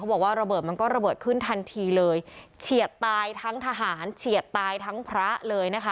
บอกว่าระเบิดมันก็ระเบิดขึ้นทันทีเลยเฉียดตายทั้งทหารเฉียดตายทั้งพระเลยนะคะ